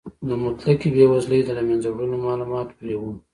د مطلقې بې وزلۍ د له منځه وړلو مالومات پرې و.